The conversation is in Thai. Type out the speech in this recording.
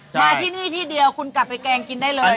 มาที่นี่ที่เดียวคุณกลับไปแกงกินได้เลย